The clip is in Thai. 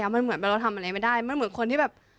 มันเหมือนเราทำอะไรไม่ได้มันเหมือนคนที่แบบ